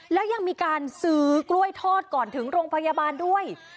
แล้วยังมีการซื้อกล้วยทอดก่อนถึงโรงพยาบาลด้วย